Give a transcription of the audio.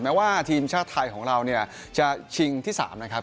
แม้ว่าทีมชาติไทยของเราเนี่ยจะชิงที่๓นะครับ